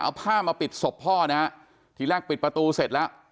เอาผ้ามาปิดศพพ่อนะฮะทีแรกปิดประตูเสร็จแล้ว